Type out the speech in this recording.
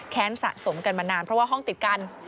สะสมกันมานานเพราะว่าห้องติดกัน